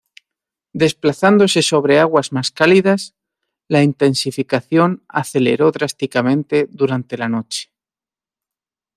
Desplazándose sobre aguas más cálidas, la intensificación aceleró drásticamente durante la noche.